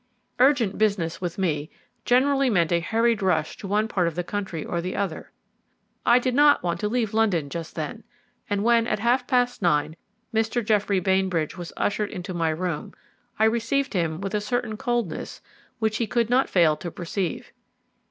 Urgent business with me generally meant a hurried rush to one part of the country or the other. I did not want to leave London just then; and when at half past nine Mr. Geoffrey Bainbridge was ushered into my room, I received him with a certain coldness which he could not fail to perceive.